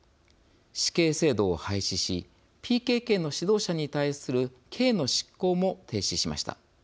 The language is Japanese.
死刑制度を廃止しＰＫＫの指導者に対する刑の執行も停止しました。